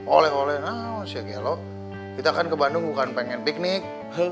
oleh oleh nah si gelo kita kan ke bandung bukan pengen piknik